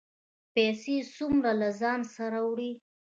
پیسې څومره له ځانه سره وړئ؟